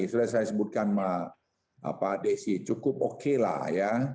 sudah saya sebutkan pak desi cukup oke lah ya